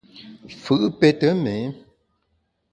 Fù’ pète méé.